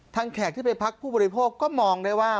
แขกที่ไปพักผู้บริโภคก็มองได้ว่า